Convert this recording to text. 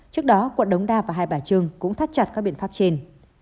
trước đó quận đống đa và hai bà trưng cũng thắt chặt các biện pháp trên